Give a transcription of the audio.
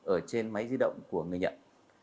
ở trên máy di động của người nhận